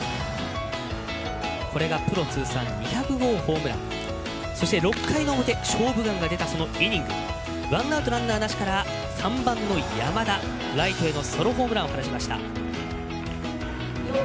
これがプロ通算２００号ホームランそして６回の表「勝負眼」が出たイニングワンアウトランナーなしから３番の山田、ライトへのソロホームランを放ちました。